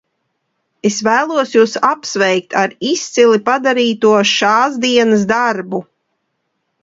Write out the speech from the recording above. Es vēlos jūs apsveikt ar izcili padarīto šāsdienas darbu.